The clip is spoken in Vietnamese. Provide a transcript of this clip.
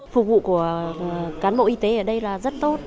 phục vụ của cán bộ y tế ở đây là rất tốt